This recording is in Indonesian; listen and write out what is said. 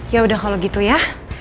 yaudah kalau gitu ya